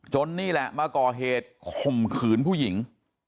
นี่แหละมาก่อเหตุข่มขืนผู้หญิง